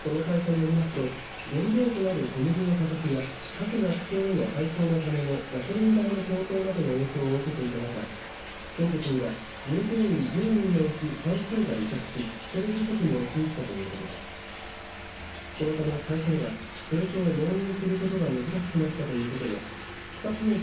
この会社によりますと原料となる小麦の価格や各学校への配送のためのガソリン代の高騰などの影響を受けていた中、先月には従業員１０人のうち半数が離職し人手不足に陥ったということです。